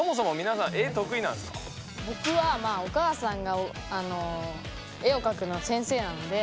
ぼくはまあお母さんがあの絵をかくのは先生なので。